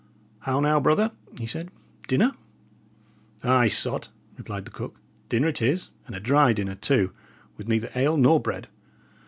"How now, brother?" he said. "Dinner?" "Ay, sot," replied the cook, "dinner it is, and a dry dinner, too, with neither ale nor bread.